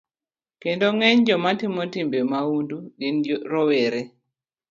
Kendo ng'eny joma timo timbe mahundu gin rowere.